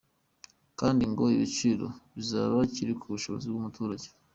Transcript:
Kandi ngo igiciro kizaba kiri ku bushobozi bw’umuturage.